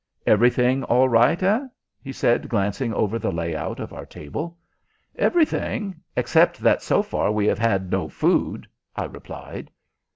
"Everything all right, eh?" he said, glancing over the lay out of our table. "Everything except that so far we have had no food," I replied.